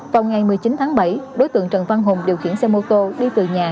vào ngày một mươi chín tháng bảy đối tượng trần văn hùng điều khiển xe mô tô đi từ nhà